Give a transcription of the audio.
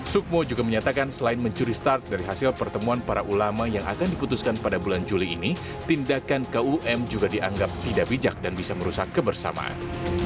sukmo juga menyatakan selain mencuri start dari hasil pertemuan para ulama yang akan diputuskan pada bulan juli ini tindakan kum juga dianggap tidak bijak dan bisa merusak kebersamaan